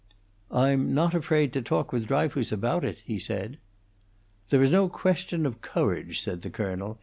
"I'm not afraid to talk with Dryfoos about it," he said. "There is no question of courage," said the colonel.